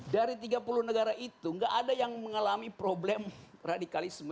dari tiga puluh negara itu nggak ada yang mengalami problem radikalisme